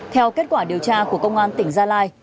theo kết quả điều tra của công an tỉnh gia lai